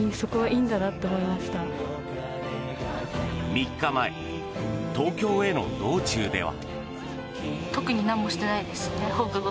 ３日前、東京への道中では。